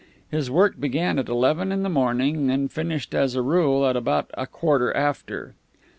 His work began at eleven in the morning, and finished as a rule at about a quarter after.